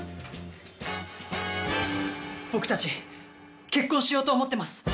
僕たち結婚しようと思ってます！